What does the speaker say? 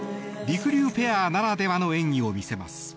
りくりゅうペアならではの演技を見せます。